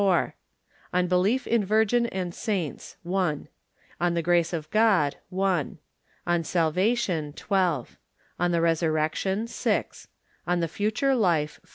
4 On Belief in Virgin and Saints 1 On the Grace of God .. 1 On Salvation .... 12 On the Resvirrection .. 6 On the Future Life